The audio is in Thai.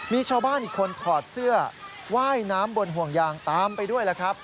มีชาวบ้านอีกคนถอดเสื้อว่ายน้ำบนห่วงยางตามไปด้วยแล้วครับ